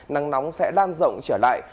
nắng nóng sẽ đan rộng trở lại